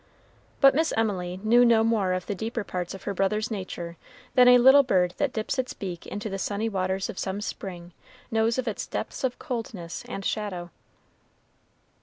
But Miss Emily knew no more of the deeper parts of her brother's nature than a little bird that dips its beak into the sunny waters of some spring knows of its depths of coldness and shadow.